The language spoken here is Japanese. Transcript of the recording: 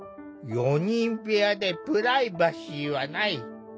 ４人部屋でプライバシーはない。